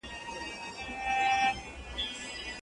شاګرد له ډېري مودې راهیسې په دې موضوع کار کړی دی.